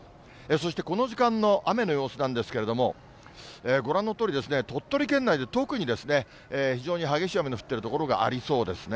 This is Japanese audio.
そしてこの時間の雨の様子なんですけれども、ご覧のとおり鳥取県内で特に非常に激しい雨の降ってる所がありそうですね。